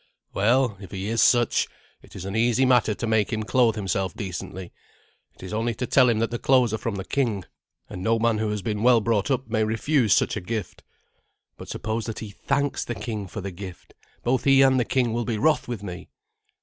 Well, if he is such, it is an easy matter to make him clothe himself decently. It is only to tell him that the clothes are from the king, and no man who has been well brought up may refuse such a gift." "But suppose that he thanks the king for the gift. Both he and the king will be wroth with me."